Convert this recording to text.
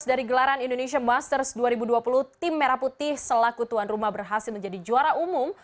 dari gelaran indonesia masters dua ribu dua puluh tim merah putih selaku tuan rumah berhasil menjadi juara umum